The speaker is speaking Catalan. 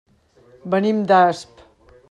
Venim d'Asp.